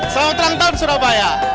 selamat ulang tahun surabaya